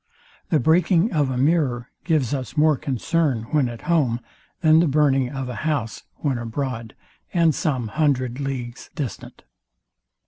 The breaking of a mirror gives us more concern when at home, than the burning of a house, when abroad, and some hundred leagues distant.